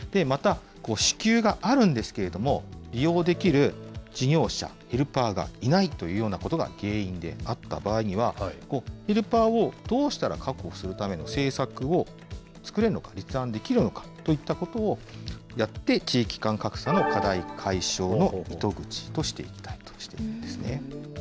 また、支給があるんですけれども、利用できる事業者、ヘルパーがいないというようなことが原因であった場合には、ヘルパーをどうしたら確保するための政策を作れるのか、立案できるのかといったことをやって、地域間格差の課題解消の糸口していきたいとしているんですね。